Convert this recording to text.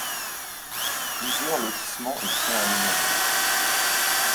Plusieurs lotissements y sont aménagés.